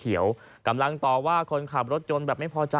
กำลังต่อว่าคนขับรถยนต์แบบไม่พอใจ